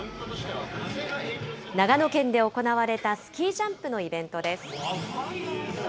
長野県で行われたスキージャンプのイベントです。